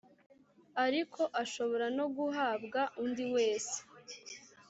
ariko ashobora no guhabwa undi wese